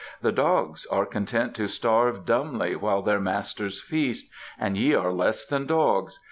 The dogs are content to starve dumbly while their masters feast, and ye are less than dogs.